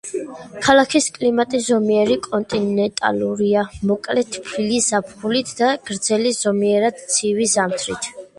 ქალაქის კლიმატი ზომიერად კონტინენტალურია, მოკლე თბილი ზაფხულით და გრძელი ზომიერად ცივი ზამთრით.